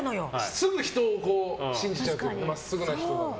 すぐ人を信じちゃうというか真っすぐな人だから。